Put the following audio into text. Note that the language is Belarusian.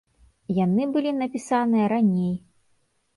Яны былі напісаныя раней.